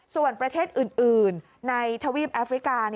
ส่วนประเทศอื่นในทวีปแอฟริกา